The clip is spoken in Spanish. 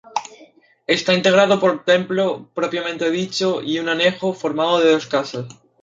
Está integrado por el templo propiamente dicho y un anejo formado por dos casas.